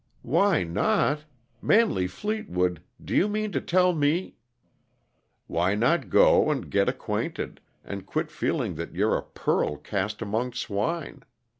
"Why not? Manley Fleetwood, do you mean to tell me " "Why not go, and get acquainted, and quit feeling that you're a pearl cast among swine?